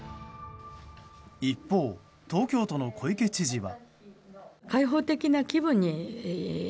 一方、東京都の小池都事は。